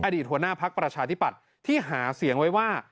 อดีตหัวหน้าพักประชาธิปัตย์ที่หาเสียงไว้ว่า